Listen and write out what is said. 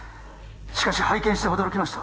しかし拝見して驚きました